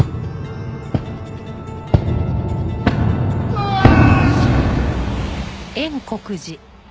うわーっ！